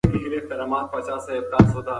ولسمشر په یوه وینا کې ویلي وو چې عمري عدالت راولي.